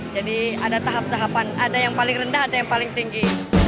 jadi ada tahap tahapan ada yang paling rendah ada yang paling tinggi